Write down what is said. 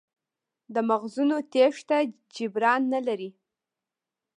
د مغزونو تېښته جبران نه لري.